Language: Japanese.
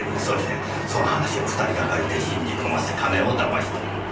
そしてその話を２人がかりで信じ込ませ金をだまし取る。